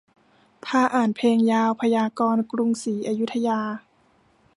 พาอ่านเพลงยาวพยากรณ์กรุงศรีอยุธยา